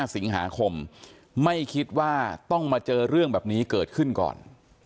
สิงหาคมไม่คิดว่าต้องมาเจอเรื่องแบบนี้เกิดขึ้นก่อน